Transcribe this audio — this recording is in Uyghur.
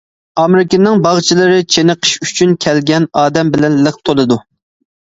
ئامېرىكىنىڭ باغچىلىرى چېنىقىش ئۈچۈن كەلگەن ئادەم بىلەن لىق تولىدۇ.